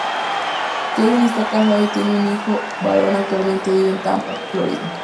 Kevin está casado y tiene un hijo varón Actualmente vive en Tampa, Florida.